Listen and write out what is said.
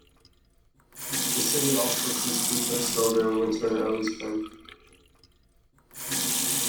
The city also sees frequent snow during winter and early spring.